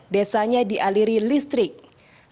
desanya dialiri listrik tenaga mikrohidro